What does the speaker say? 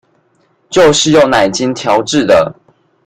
就是用奶精調製的